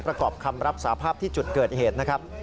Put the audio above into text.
ประกอบคำรับสาภาพที่จุดเกิดเหตุนะครับ